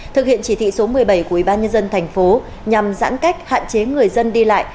thực hiện chỉ thị số một mươi bảy của ủy ban nhân dân thành phố nhằm giãn cách hạn chế người dân đi lại